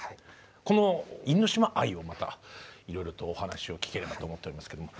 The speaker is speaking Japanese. この因島愛をまたいろいろとお話を聞ければと思っておりますけども。